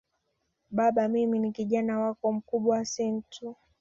Baba mimi ni Kijana wako mkubwa Santeu